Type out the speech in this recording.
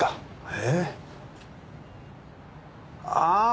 ええ？ああ！